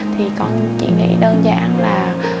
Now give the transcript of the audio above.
thì con chỉ nghĩ đơn giản là